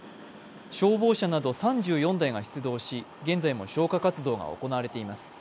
消防車など３４台が出動し現在も消火活動が行われています。